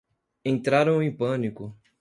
Entraram em pânico